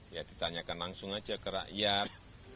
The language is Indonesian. ya ditanyakan langsung aja ke rakyat